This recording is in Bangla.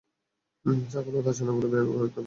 ছাগল ও তার ছানাগুলো ভ্যাঁ ভ্যাঁ করতে লাগল।